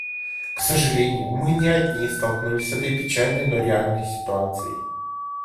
К сожалению, мы не одни столкнулись с этой печальной, но реальной ситуацией.